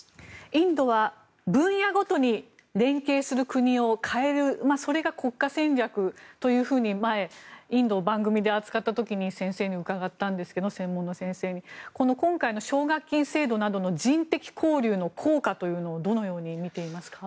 インドは分野ごとに連携する国を変えるそれが国家戦略と前にインドを番組で扱った時に専門の先生に伺ったんですが今回の奨学金制度などの人的交流の効果というのをどのように見ていますか？